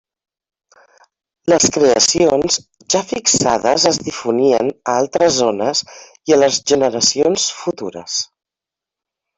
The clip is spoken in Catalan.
Les creacions, ja fixades es difonien a altres zones i a les generacions futures.